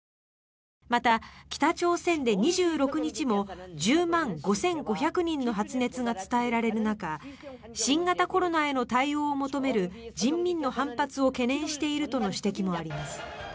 また、北朝鮮で２６日も１０万５５００人の発熱が伝えられる中新型コロナへの対応を求める人民の反発を懸念しているとの指摘もあります。